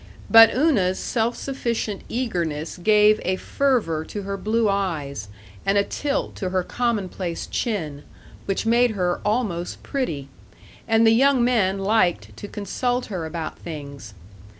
But Una's self sufficient eagerness gave a fervor to her blue eyes, and a tilt to her commonplace chin, which made her almost pretty, and the young men liked to consult her about things.